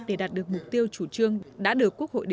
để đạt được mục tiêu chủ trương đã được quốc hội đề ra